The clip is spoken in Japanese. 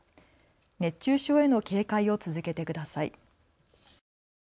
熱中症への警戒を続けてください。